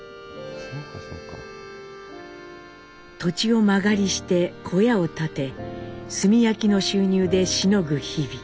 土地を間借りして小屋を建て炭焼きの収入でしのぐ日々。